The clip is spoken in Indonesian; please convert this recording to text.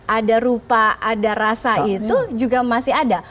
ada rupa ada rasa itu juga masih ada